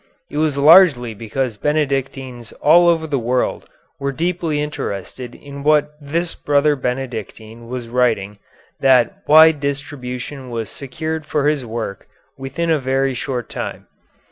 It was largely because Benedictines all over the world were deeply interested in what this brother Benedictine was writing that wide distribution was secured for his work within a very short time.